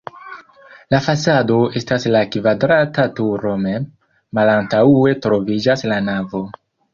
La fasado estas la kvadrata turo mem, malantaŭe troviĝas la navo.